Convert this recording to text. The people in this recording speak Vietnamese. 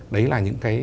đấy là những cái